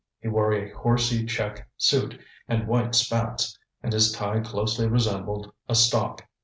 He wore a horsy check suit and white spats, and his tie closely resembled a stock.